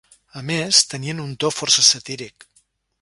A més, tenien un to força satíric.